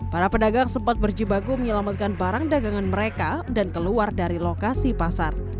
para pedagang sempat berjibaku menyelamatkan barang dagangan mereka dan keluar dari lokasi pasar